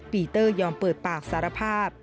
ปีเตอร์ยอมเปิดปากสารภาพ